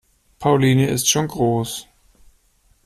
Pauline ist schon groß.